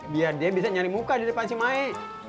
biar dia bisa nyari muka di depan si mae